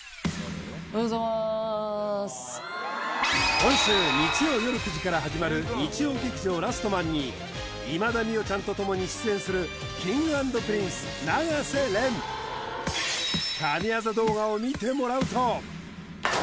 今週日曜よる９時から始まる日曜劇場「ラストマン」に今田美桜ちゃんとともに出演するＫｉｎｇ＆Ｐｒｉｎｃｅ永瀬廉うえ！